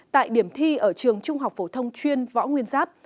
tại điểm thi ở trường trung học phổ thông chuyên võ nguyên giáp